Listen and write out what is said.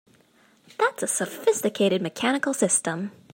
That's a sophisticated mechanical system!